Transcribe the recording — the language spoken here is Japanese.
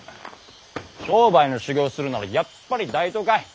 商売の修業するならやっぱり大都会。